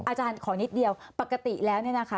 อาจารย์ขอนิดเดียวปกติแล้วเนี่ยนะคะ